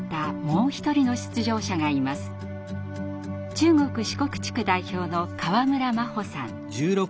中国・四国地区代表の河村真帆さん。